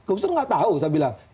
gusdur gak tau saya bilang